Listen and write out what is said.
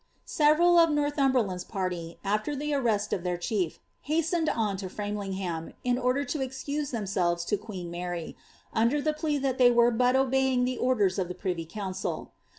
Several of Northumberland's party, after the arrest of llieir chief, hastened on to Framlingiiam, in order to excuse themselves to quten Mary, under the plea that they were but obeying the onlers of the privy council.